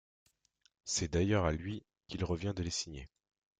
C'est d'ailleurs à lui qu'il revient de les signer.